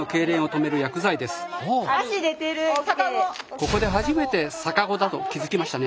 ここで初めて逆子だと気付きましたね。